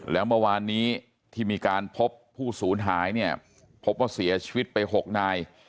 แล้วเมื่อวานนี้ที่มีการพบผู้สูญหายเนี่ยพบว่าเสียชีวิตไป๖นาย